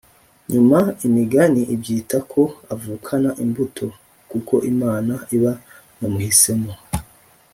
nyuma imigani ibyita ko avukana imbuto kuko imana iba yamuhisemo